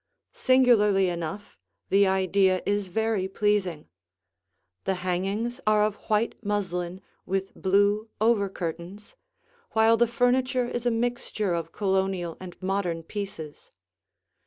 Singularly enough, the idea is very pleasing. The hangings are of white muslin with blue over curtains, while the furniture is a mixture of Colonial and modern pieces.